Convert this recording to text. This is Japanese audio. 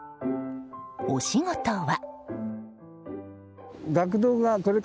お仕事は。